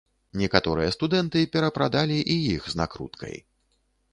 Некаторыя студэнты перапрадалі і іх з накруткай.